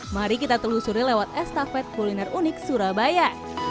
mari kita telusuri lewat estafet kuliner unik surabaya